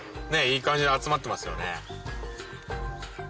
いい感じに集まってますよね。